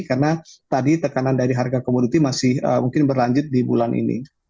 karena tadi tekanan dari harga komoditi masih mungkin berlanjut di bulan ini